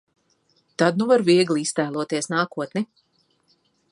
Tad nu varu viegli iztēloties nākotni.